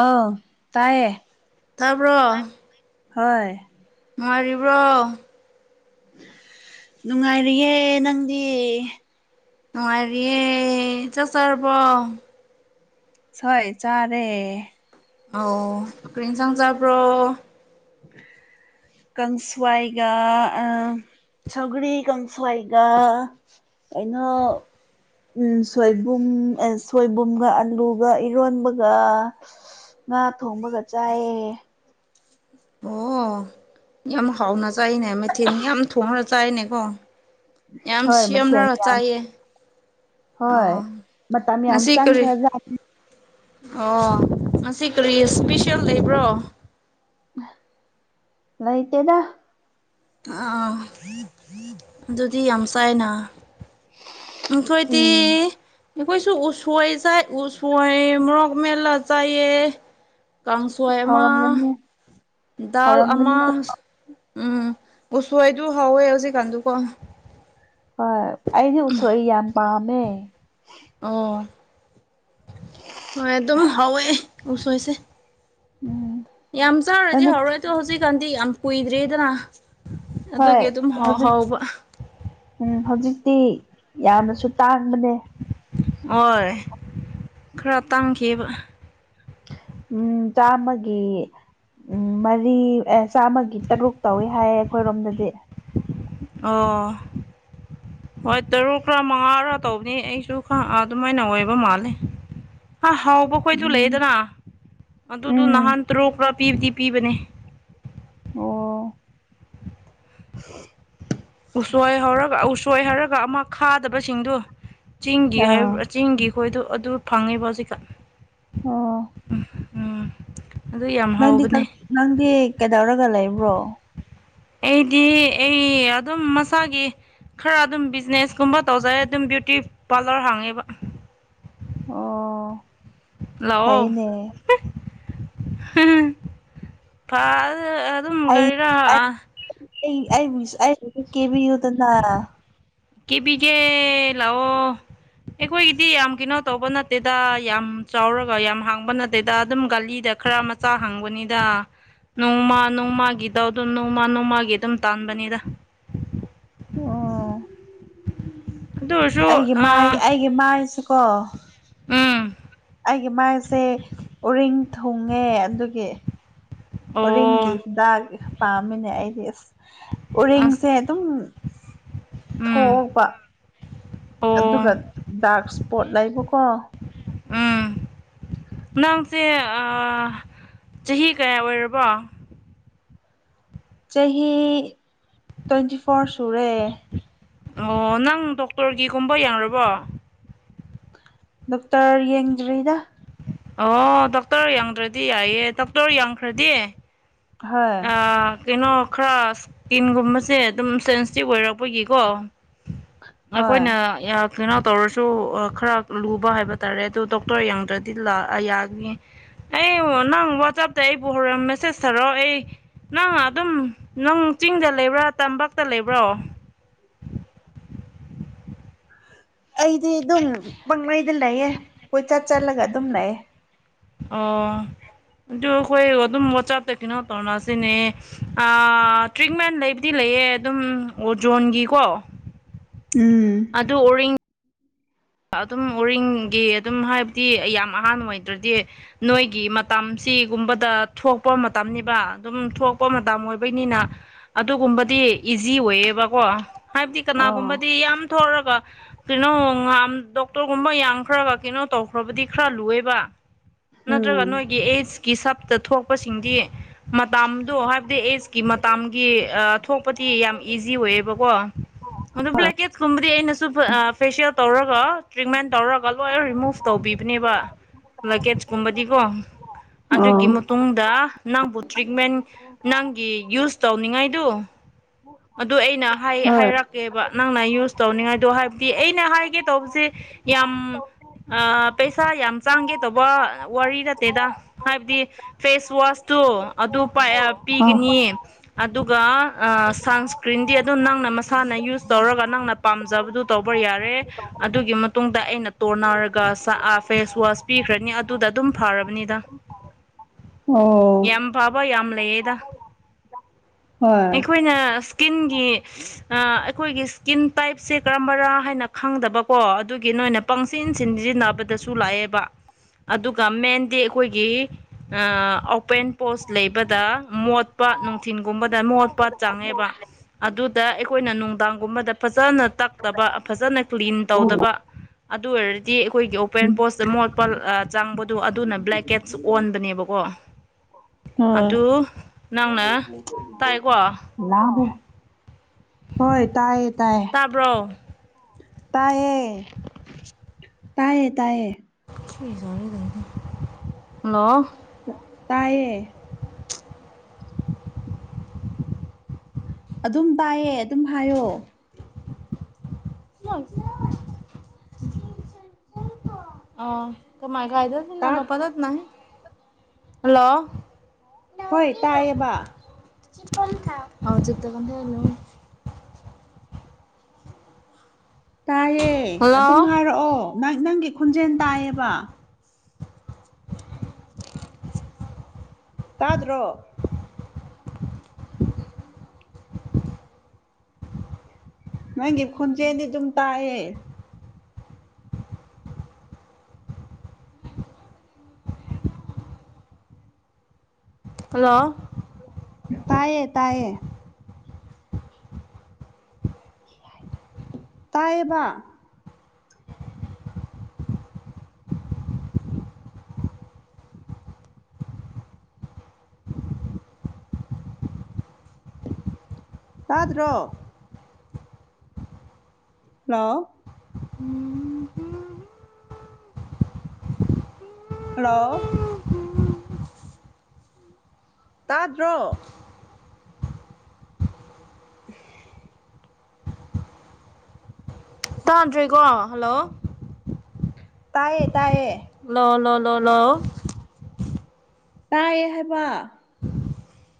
ꯑ ꯇꯥꯏꯌꯦ ꯇꯥꯕ꯭ꯔꯣ ꯍꯣꯏ ꯉꯔꯤꯕ꯭ꯔꯣ ꯅꯨꯡꯉꯥꯏꯔꯤꯌꯦ ꯅꯪꯗꯤ ꯅꯨꯉꯥꯏꯔꯤꯌꯦ ꯆꯥꯛ ꯆꯥꯔꯕꯣ ꯁꯣꯏ ꯆꯔꯦ ꯑ ꯀꯔꯤꯦꯟ ꯆꯪꯖꯕ꯭ꯔꯣ ꯀꯪꯁꯋꯥꯏꯒ ꯑ ꯁꯒꯔꯤ ꯀꯪꯁꯋꯥꯏꯒ ꯑꯩꯅ ꯎꯝ ꯁꯣꯏꯕꯨꯝ ꯁꯣꯏꯕꯨꯝꯒ ꯑꯂꯨꯒ ꯏꯔꯣꯟꯕꯒ ꯉꯥ ꯊꯣꯡꯕꯒ ꯆꯥꯏꯌꯦ ꯑꯣ ꯌꯥꯝ ꯍꯥꯎꯅ ꯆꯥꯏꯅꯦ ꯃꯩꯊꯤꯟ ꯌꯥꯝ ꯊꯣꯡꯅ ꯆꯥꯏꯅꯦꯀꯣ ꯌꯥꯝ ꯍꯣꯏ ꯃꯊꯦꯜ ꯁꯦꯝꯂꯒ ꯌꯥꯝ ꯆꯥꯏꯌꯦ ꯍꯣꯏ ꯑꯣ ꯃꯇꯝ ꯉ ꯌꯥꯝ ꯁꯤ ꯀꯔꯤ ꯆꯪꯈ꯭ꯔꯖꯥꯠꯅꯤ ꯑꯣ ꯉꯁꯤ ꯀꯔꯤ ꯏꯁꯄꯤꯁꯦꯜ ꯂꯩꯕ꯭ꯔꯣ ꯂꯩꯣꯏꯇꯗ ꯑ ꯑꯗꯨꯗꯤ ꯌꯥꯝꯁꯥꯏꯅ ꯑꯩꯈꯣꯏꯗꯤ ꯎꯝ ꯑꯩꯈꯣꯏꯁꯨ ꯎꯁꯣꯏ ꯆꯥꯏ ꯎꯁꯣꯏ ꯃꯣꯔꯣꯛ ꯃꯦꯂꯥ ꯆꯥꯏꯑ ꯀꯥꯡꯁꯣꯏ ꯑꯃ ꯍꯥꯎꯔꯝꯒꯅꯤ ꯗꯥꯜ ꯑꯃ ꯍꯥꯎꯔꯝꯒꯅꯤꯀꯣ ꯎꯝ ꯄꯨꯁꯨꯗꯨ ꯍꯥꯎꯋꯦ ꯍꯧꯖꯤꯛꯀꯥꯟꯗꯨꯀꯣ ꯍꯣꯏ ꯑꯩꯗꯤ ꯎꯁꯣꯏ ꯌꯥꯝ ꯄꯥꯝꯃꯦ ꯑꯎ ꯍꯣꯏ ꯑꯗꯨꯝ ꯍꯧꯋꯦ ꯎꯁꯣꯏꯁꯦ ꯎꯝ ꯌꯥꯝ ꯆꯥꯔꯗꯤ ꯅꯪꯗꯤ ꯍꯧꯔꯣꯏ ꯑꯗꯣ ꯍꯧꯖꯤꯛꯀꯥꯟꯗꯤ ꯌꯥꯝ ꯀꯨꯏꯗ꯭ꯔꯦꯗꯅ ꯍꯣꯏ ꯑꯗꯨꯒꯤ ꯑꯗꯨꯝ ꯍꯥꯎ ꯍꯧꯖꯤꯛ ꯍꯥꯎꯕ ꯎꯝ ꯍꯧꯖꯤꯛꯇꯤ ꯌꯥꯝꯅꯁꯨ ꯇꯥꯡꯕꯅꯦ ꯍꯣꯏ ꯈꯔ ꯇꯥꯡꯈꯤꯕ ꯎꯝ ꯆꯥꯃꯒꯤ ꯎꯝ ꯃꯔꯤ ꯆꯥꯝꯃꯒꯤ ꯇꯔꯨꯛ ꯇꯧꯋꯦ ꯍꯥꯏꯌꯦ ꯑꯩꯈꯣꯏꯔꯣꯝꯗꯗꯤ ꯑꯣ ꯍꯣꯏ ꯇꯔꯨꯛ ꯂꯥ ꯃꯉꯥꯔ ꯇꯧꯕꯅꯤ ꯑꯩꯁꯨ ꯈ ꯑꯗꯨꯃꯥꯏꯅ ꯑꯣꯏꯕ ꯃꯥꯜꯂꯦ ꯍꯥ ꯍꯥꯎꯕꯈꯣꯏꯁꯨ ꯎꯝ ꯂꯩꯌꯦꯗꯅ ꯑꯗꯨꯗꯣ ꯎꯝ ꯅꯍꯥꯟ ꯇꯔꯨꯛ ꯂꯥ ꯄꯤꯕꯗꯤ ꯄꯤꯕꯅꯦ ꯑꯣ ꯎꯁꯣꯏ ꯍꯧꯔꯒ ꯎꯁꯣꯏ ꯍꯥꯏꯔꯒ ꯑꯃ ꯈꯥꯗꯕꯁꯤꯡꯗꯨ ꯆꯤꯡꯒꯤ ꯑꯥ ꯍꯥꯏ꯭ꯕꯔ ꯆꯤꯡꯒꯤ ꯑꯩꯈꯣꯏꯗꯣ ꯑꯗꯨ ꯐꯪꯉꯦꯕ ꯍꯧꯖꯤꯛꯀꯥꯟ ꯑꯣ ꯎꯝ ꯎꯝ ꯑꯗꯨ ꯌꯥꯝ ꯅꯪꯗꯤ ꯍꯥꯎꯕꯅꯦ ꯅꯪꯗꯤ ꯀꯩꯗꯧꯔꯒ ꯂꯩꯕ꯭ꯔꯣ ꯑꯩꯗꯤ ꯑꯩ ꯑꯗꯨꯝ ꯃꯁꯥꯒꯤ ꯈꯔ ꯑꯗꯨꯝ ꯕꯤꯖꯤꯅꯦꯁ ꯀꯨꯝꯕ ꯇꯧꯖꯔꯦ ꯑꯗꯨꯝ ꯗꯦꯠꯀꯤ ꯄꯥꯂꯔ ꯍꯥꯡꯉꯦꯕ ꯑꯣ ꯂꯥꯑꯣ ꯐꯩꯅꯦ ꯐꯥꯜ ꯑꯩ ꯑꯩꯕꯨ ꯀꯦꯕꯤꯌꯨꯗꯅ ꯀꯦꯕꯤꯒꯦ ꯂꯥꯛꯑꯣ ꯑꯩꯈꯣꯏꯒꯤꯗꯤ ꯌꯥꯝ ꯀꯩꯅꯣ ꯇꯧꯕ ꯅꯠꯇꯦꯗ ꯌꯥꯝ ꯆꯥꯎꯔꯒ ꯌꯥꯝ ꯍꯥꯡꯕ ꯅꯠꯇꯦꯗ ꯑꯗꯨꯝ ꯒꯥꯂꯤꯗ ꯈꯔ ꯃꯆꯥ ꯍꯥꯡꯕꯅꯤꯗ ꯅꯣꯡꯃ ꯅꯣꯡꯃꯒꯤꯇꯧꯗꯨ ꯅꯣꯡꯃ ꯅꯣꯡ ꯃꯥꯒꯤ ꯑꯗꯨꯝ ꯇꯥꯟꯕꯅꯦꯗ ꯑꯣ ꯑꯗꯨ ꯑꯣꯏꯔꯁꯨ ꯑꯩꯒꯤ ꯑ ꯃꯥꯏ ꯑꯩꯒꯤ ꯃꯥꯏꯁꯤꯀꯣ ꯎꯝ ꯑꯩꯒꯤ ꯃꯥꯏꯁꯦ ꯎꯔꯤꯡ ꯊꯨꯡꯉꯦ ꯑꯗꯨꯒꯤ ꯎꯔꯤꯡꯒꯤ ꯑꯣ ꯍꯤꯗꯥꯛꯀꯤ ꯄꯥꯝꯃꯤꯅꯦ ꯑꯩꯗꯤ ꯑꯁ ꯎꯔꯤꯡꯁꯦ ꯑꯁ ꯑꯗꯨꯝ ꯎꯝ ꯊꯣꯛꯄ ꯑꯗꯨꯒ ꯑꯣ ꯗꯥꯛ ꯁꯄꯣꯠ ꯂꯩꯕꯀꯣ ꯎꯝ ꯅꯪꯁꯦ ꯆꯍꯤ ꯀꯌꯥ ꯑꯣꯏꯔꯕ ꯆꯍꯤ ꯇ꯭ꯋꯦꯟꯇꯤ ꯐꯣꯔ ꯁꯨꯔꯦ ꯑꯣ ꯅꯪ ꯗꯣꯛꯇꯔꯒꯤꯒꯨꯝꯕ ꯌꯥꯔꯕꯣ ꯗꯣꯛꯇꯔ ꯌꯦꯡꯗꯔꯤꯗ ꯑꯣ ꯗꯣꯛꯇꯔ ꯌꯥꯡꯗ꯭ꯔꯗꯤ ꯌꯥꯏꯌꯦ ꯗꯣꯛꯇꯔ ꯌꯥꯡꯈ꯭ꯔꯗꯤ ꯍꯣꯏ ꯑꯥ ꯀꯩꯅꯣ ꯈꯔ ꯁꯀꯤꯟꯒꯨꯝꯕꯁꯦ ꯑꯗꯨꯝ ꯁꯦꯟꯁꯤꯇꯤꯞ ꯑꯣꯏꯔꯛꯄꯒꯤꯀꯣ ꯍꯣꯏ ꯑꯈꯣꯏꯅ ꯌꯥꯝ ꯀꯩꯅꯣ ꯇꯧꯔꯁꯨ ꯈꯔ ꯂꯨꯕ ꯍꯥꯏꯕ ꯇꯥꯔꯦ ꯑꯗꯨ ꯗꯣꯛꯇꯔ ꯌꯥꯡꯗ꯭ꯔꯗꯤ ꯗꯨꯅ ꯌꯥꯒꯅꯤ ꯑꯩꯕꯨ ꯅꯪ ꯋꯥꯆꯞꯇꯩ ꯑꯩ ꯄꯨꯔꯝ ꯃꯦꯁꯦꯁ ꯊꯥꯔꯛꯑꯣ ꯑꯩ ꯅꯪ ꯑꯗꯨꯝ ꯅꯪ ꯆꯤꯡꯗ ꯂꯩꯕ꯭ꯔꯥ ꯇꯝꯄꯥꯛꯇ ꯂꯩꯕ꯭ꯔꯣ [inaudible] ꯑꯩꯗꯤ ꯑꯗꯨꯝ ꯄꯪꯂꯩꯗ ꯂꯩꯌꯦ ꯀꯣꯏꯆꯠ ꯆꯠꯂꯒ ꯑꯗꯨꯝ ꯂꯩꯌꯦ ꯑꯣ ꯑꯗꯨ ꯑꯩꯈꯣꯏ ꯑꯗꯨꯝ ꯋꯥꯆꯞꯇ ꯀꯩꯅꯣ ꯇꯧꯅꯁꯤꯅꯦ ꯇ꯭ꯔꯤꯠꯃꯦꯟ ꯂꯩꯕꯗꯤ ꯂꯩ ꯂꯩꯌꯦ ꯑꯗꯨꯝ ꯑꯣꯖꯣꯟꯒꯤꯀꯣ ꯎꯝ ꯑꯗꯨ ꯑꯣ ꯑꯗꯨꯝ ꯎꯔꯤꯡꯒꯤ ꯑꯗꯨꯝ ꯍꯥꯏꯕꯗꯤ ꯌꯥꯝ ꯑꯍꯥꯟꯕ ꯑꯣꯏꯗ꯭ꯔꯗꯤ ꯅꯣꯏꯒꯤ ꯃꯇꯝ ꯁꯤꯒꯨꯝꯕꯗ ꯊꯣꯛꯄ ꯃꯇꯝꯅꯤꯕ ꯑꯗꯨꯝ ꯊꯣꯛꯄ ꯃꯇꯝ ꯑꯣꯏꯕꯩꯅꯤꯅ ꯑꯗꯨꯒꯨꯝꯕꯗꯤ ꯑꯣꯏꯕꯣ ꯍꯥꯏꯕꯗꯤ ꯑꯣ ꯀꯅꯥꯒꯨꯝꯕ ꯌꯥꯝ ꯊꯒ ꯀꯩꯅꯣ ꯗꯣꯛꯇꯔꯒꯨꯝꯕ ꯌꯥꯡꯈ꯭ꯔꯕ ꯀꯩꯅꯣ ꯇꯧꯈ꯭ꯔꯕꯗꯤ ꯈꯔ ꯂꯨꯑꯦꯕ ꯎꯝ ꯅꯠꯇ꯭ꯔꯒ ꯅꯣꯏꯒꯤ ꯑꯩꯠꯁꯀꯤ ꯁꯞꯇ ꯊꯣꯛꯄꯁꯤꯡꯗꯤ ꯃꯇꯥꯝꯗꯣ ꯍꯥꯏꯕꯗꯤ ꯑꯦꯖꯀꯤ ꯃꯇꯥꯝꯒꯤ ꯊꯣꯛꯄꯗꯤ ꯌꯥꯝ ꯏꯖꯤ ꯑꯣꯏꯌꯦꯕꯀꯣ ꯑꯗꯨ ꯕ꯭ꯂꯦꯛꯀꯦꯠꯁꯀꯨꯝꯕꯗꯤ ꯑꯩꯅꯁꯨ ꯐꯦꯁꯤꯌꯦꯜ ꯇꯧꯔꯒ ꯇ꯭ꯔꯤꯠꯃꯦꯟ ꯇꯧꯔꯒ ꯀ ꯂꯣꯏꯅ ꯔꯤꯃꯨꯚ ꯇꯧꯕꯤꯕꯅꯦꯕ ꯂꯒꯦꯖꯀꯨꯝꯕꯗꯤꯀꯣ ꯑꯣ ꯑꯗꯨꯒꯤ ꯃꯇꯨꯡꯗ ꯅꯪꯕꯨ ꯇ꯭ꯔꯤꯠꯃꯦꯟ ꯅꯪꯒꯤ ꯌꯨꯁ ꯇꯧꯅꯤꯡꯉꯥꯏꯗꯨ ꯑꯗꯨ ꯑꯩꯅ ꯍꯣꯏ ꯑ ꯍꯥꯏꯔꯛꯀꯦꯕ ꯅꯪꯅ ꯌꯨꯁ ꯇꯧꯅꯤꯡꯉꯥꯏꯗꯣ ꯍꯥꯏꯕꯗꯤ ꯑꯩꯅ ꯍꯥꯏꯒꯦ ꯇꯧꯕꯁꯦ ꯌꯥꯝ ꯄꯩꯁꯥ ꯌꯥꯝ ꯆꯥꯡꯒꯦ ꯇꯧꯕ ꯋꯥꯔꯤ ꯅꯠꯇꯦꯗ ꯍꯥꯏꯕꯗꯤ ꯐꯦꯁ ꯋꯥꯁꯇꯨ ꯄꯤꯒꯅꯤ ꯑꯗꯨꯒ ꯁꯟꯁꯀ꯭ꯔꯤꯟꯗꯤ ꯑꯗꯨꯝ ꯅꯪꯅ ꯃꯁꯥꯅ ꯌꯨꯁ ꯇꯧꯔꯒ ꯅꯪꯅ ꯄꯥꯝꯖꯕꯗꯨ ꯇꯧꯕ ꯌꯥꯔꯦ ꯑꯗꯨꯒꯤ ꯃꯇꯨꯡꯗ ꯑꯩꯅ ꯇꯣꯔ ꯅꯥꯔꯒ ꯐꯦꯁ ꯋꯥꯁ ꯄꯤꯈ꯭ꯔꯅꯤ ꯑꯗꯨꯗ ꯑꯗꯨꯝ ꯐꯔꯕꯅꯤꯗ [unintelligible] ꯑꯣ ꯌꯥꯝ ꯐꯕ ꯌꯥꯝ ꯂꯩꯌꯦꯗ ꯍꯣꯏ ꯑꯩꯈꯣꯏꯅ ꯁ꯭ꯀꯤꯟꯒꯤ ꯑꯩꯈꯣꯏꯒꯤ ꯁ꯭ꯀꯤꯟ ꯇꯥꯏꯞꯁꯦ ꯀꯔꯝꯕꯔꯥ ꯍꯥꯏꯅ ꯈꯪꯗꯕꯀꯣ ꯑꯗꯨꯒꯤ ꯀ ꯅ ꯑꯣꯏꯅ ꯄꯪꯁꯤꯟ ꯁꯤꯟꯖꯤꯟꯅꯕꯗꯁꯨ ꯂꯥꯛꯑꯦꯕ ꯑꯗꯨꯒ ꯃꯦꯟꯗꯤ ꯑꯩꯈꯣꯏꯒꯤ ꯑꯣꯄꯦꯟ ꯄꯣꯁ ꯂꯩꯕꯗ ꯃꯣꯠ ꯄ ꯅꯨꯡꯊꯤꯟꯒꯨꯝꯕꯗ ꯃꯣꯠ ꯄꯠ ꯆꯪꯉꯦꯕ ꯑꯗꯨꯗ ꯑꯩꯈꯣꯏꯅ ꯅꯨꯡꯗꯥꯡꯒꯨꯝꯕꯗ ꯐꯖꯅ ꯇꯛꯇꯕ ꯐꯖꯅ ꯀ꯭ꯂꯤꯟ ꯇꯧꯗꯕ ꯑꯗꯨ ꯑꯣꯏꯔꯗꯤ ꯑꯩꯈꯣꯏꯒꯤ ꯑꯣꯄꯦꯟ ꯄꯣꯁꯇ ꯃꯣꯠꯄ ꯆꯪꯕꯗꯣ ꯑꯗꯨꯅ ꯕ꯭ꯂꯦꯛꯀꯦꯠꯁ ꯑꯣꯟꯕꯅꯦꯕꯀꯣ ꯑꯗꯨ ꯅꯪꯅ ꯇꯥꯏꯀꯣ ꯍꯣꯏ ꯍꯣꯏ ꯇꯥꯏ ꯇꯥꯕ꯭ꯔꯣ ꯇꯌꯦ ꯇꯌꯦ ꯇꯌꯦ ꯍꯜꯂꯣ ꯇꯌꯦ [unintelligible] ꯑꯗꯨꯝ ꯄꯥꯏꯌꯦ ꯑꯗꯨꯝ ꯍꯥꯏꯌꯣ ꯑ ꯀꯃꯥꯏ ꯀꯥꯏꯗ ꯅ ꯇꯥ ꯂꯣ ꯄꯗ ꯅ ꯍꯜꯂꯣ ꯍꯣꯏ ꯇꯥꯏꯌꯦꯕ ꯆ ꯀ ꯊꯣ ꯇꯥꯏꯌꯦ ꯑꯗꯨꯝ ꯍꯥꯏꯔꯛꯑꯣ ꯅꯪ ꯅꯪꯒꯤ ꯈꯣꯟꯖꯦꯜ ꯇꯥꯏꯌꯦꯕ [unintelligible] ꯇꯥꯗ꯭ꯔꯣ ꯅꯪꯒꯤ ꯈꯨꯟꯆꯦꯗꯤ ꯑꯗꯨꯝ ꯇꯥꯏꯑꯌꯦ ꯍꯜꯂꯣ ꯇꯥꯌꯦ ꯇꯥꯌꯦ ꯇꯥꯏꯕ ꯇꯥꯗ꯭ꯔꯣ ꯍꯂꯣ ꯍꯜꯂꯣ ꯇꯥꯗ꯭ꯔꯣ [unintelligible] ꯇꯥꯗ꯭ꯔꯦꯀꯣ ꯍꯜꯂꯣ ꯇꯥꯏꯌꯦ ꯇꯌꯦ ꯂꯅ ꯂꯅ ꯇꯥꯏꯌꯦ ꯍꯥꯏꯕ [unintelligible]